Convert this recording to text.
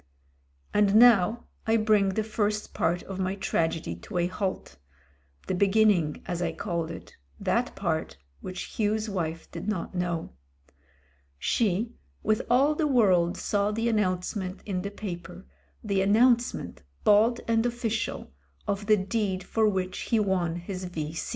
... And now I bring the first part of my tragedy to a halt; the beginning as I called it — that part which Hugh's wife did not know. She, with all the world, saw the announcement in the paper, the announcement — ^bald and official of the deed for which he won his V.